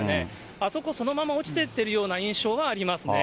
あそこ、そのまま落ちてってるような印象がありますね。